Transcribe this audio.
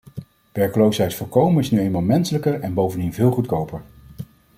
Werkloosheid voorkomen is nu eenmaal menselijker en bovendien veel goedkoper.